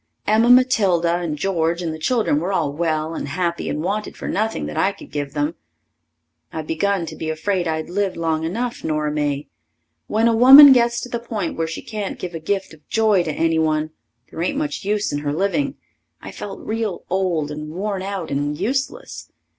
Emma Matilda and George and the children were all well and happy and wanted for nothing that I could give them. I begun to be afraid I'd lived long enough, Nora May. When a woman gets to the point where she can't give a gift of joy to anyone, there ain't much use in her living. I felt real old and worn out and useless.